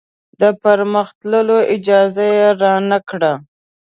د پرمخ تللو اجازه رانه کړه.